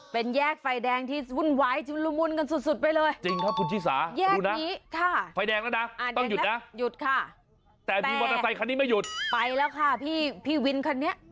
เป็นแยกไฟแดงที่วุ่นวายชุนละมุนกันสุดสุดไปเลยจริงครับคุณชิสาดูนะไฟแดงแล้วนะต้องหยุดนะหยุดค่ะแต่มีมอเตอร์ไซคันนี้ไม่หยุดไปแล้วค่ะพี่พี่วินคันนี้